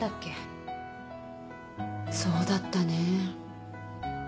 そうだったね。